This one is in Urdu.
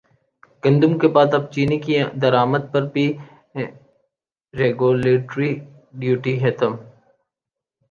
گندم کے بعد اب چینی کی درامد پر بھی ریگولیٹری ڈیوٹی ختم